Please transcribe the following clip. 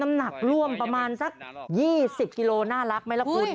หนักร่วมประมาณสัก๒๐กิโลน่ารักไหมล่ะคุณ